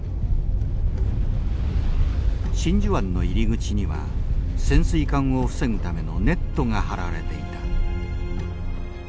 真珠湾の入り口には潜水艦を防ぐためのネットが張られていた。